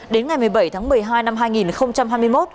đến ngày một mươi bảy tháng một mươi hai năm hai nghìn hai mươi một